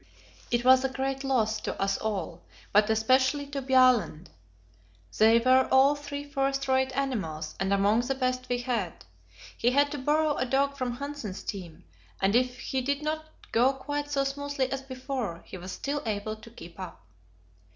It was a great loss to us all, but especially to Bjaaland; they were all three first rate animals, and among the best we had. He had to borrow a dog from Hanssen's team, and if he did not go quite so smoothly as before, he was still able to keep up.